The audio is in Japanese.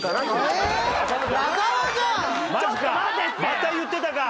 また言ってたか！